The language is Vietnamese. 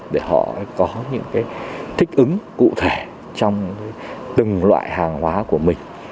để họ có những thích ứng cụ thể trong từng loại hàng hóa của mình